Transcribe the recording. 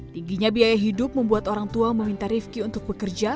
tingginya biaya hidup membuat orang tua meminta rifki untuk bekerja